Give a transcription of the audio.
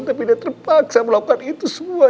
tapi dia terpaksa melakukan itu semua